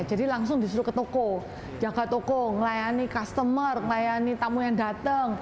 jadi langsung disuruh ke toko jangka toko ngelayani customer ngelayani tamu yang datang